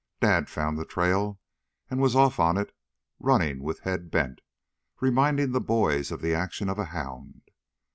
Dad found the trail and was off on it running with head bent, reminding the boys of the actions of a hound.